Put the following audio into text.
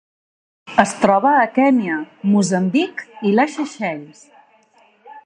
Es troba a Kenya, Moçambic i les Seychelles.